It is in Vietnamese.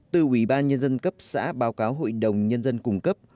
từ ủy ban nhân dân cấp xã báo cáo hội đồng nhân dân cung cấp